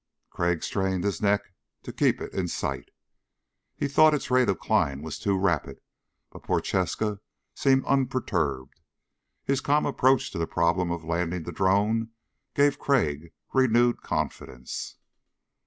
Crag strained his neck to keep it in sight. He thought its rate of climb was too rapid but Prochaska seemed unperturbed. His calm approach to the problem of landing the drone gave Crag renewed confidence.